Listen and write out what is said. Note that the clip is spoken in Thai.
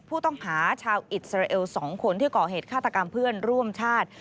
ผู้ต้องหาชาวอิสราเอล๒คนที่ก่อเหตุฆาตกรรมเพื่อนร่วมชาติ